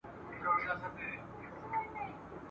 چي نه شوروي د پاولیو نه شرنګی د غاړګیو ..